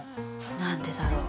何でだろう？